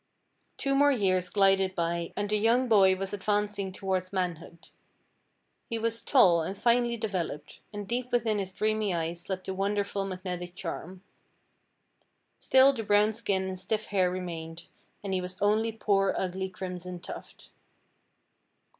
Two more years glided by, and the young boy was advancing toward manhood. He was tall, and finely developed; and deep within his dreamy eyes slept the wonderful magnetic charm. Still the brown skin and stiff hair remained, and he was only poor ugly Crimson Tuft.